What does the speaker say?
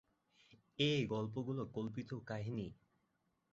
এ গল্পগুলো কল্পিত কাহিনী।